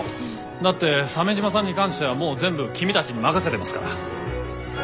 だって鮫島さんに関してはもう全部君たちに任せてますから。